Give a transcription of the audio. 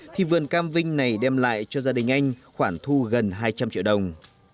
thì vườn cam vinh này đem lại cho gia đình anh khoản thu gần hai trăm linh triệu đồng